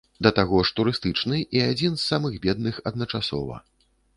Да таго ж турыстычны і адзін з самых бедных адначасова.